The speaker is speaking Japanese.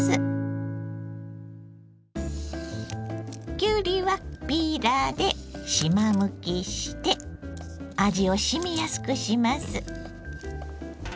きゅうりはピーラーでしまむきして味をしみやすくします。